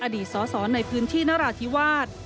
อดีตสสในพื้นที่นราธิวาส